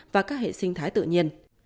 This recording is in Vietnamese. và các hệ sinh thái tự nhiên